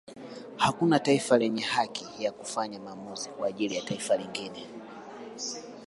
Hakuna taifa lenye haki ya kufanya maamuzi kwa ajili ya taifa jingine